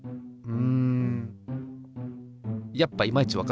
うん。